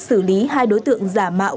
xử lý hai đối tượng giả mạo